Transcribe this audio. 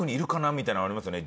みたいなのはありますよね。